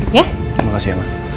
terima kasih ma